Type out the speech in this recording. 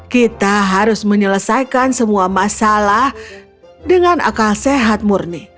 kita harus menyelesaikan semua masalah dengan akal sehat murni